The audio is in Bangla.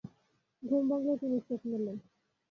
ঘুম ভাঙলে তিনি চোখ মেললেন।